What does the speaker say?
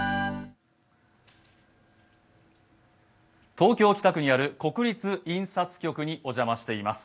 東京・北区にある国立印刷局にお邪魔しています。